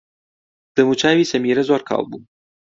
دەموچاوی سەمیرە زۆر کاڵ بوو.